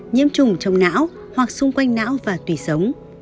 nhiễm trùng trong não hoặc xung quanh não và tùy sống